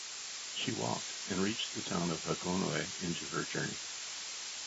She walked and reached the town of Hagonoy into her journey.